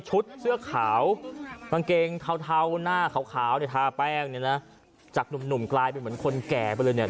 ชุดเสื้อขาวกางเกงเทาหน้าขาวทาแป้งจากหนุ่มกลายเป็นเหมือนคนแก่ไปเลย